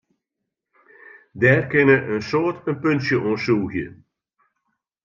Dêr kinne in soad in puntsje oan sûge.